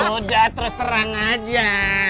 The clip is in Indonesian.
udah terus terang aja